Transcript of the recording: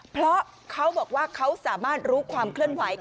เพราะเขาบอกว่าเขาสามารถรู้ความเคลื่อนไหว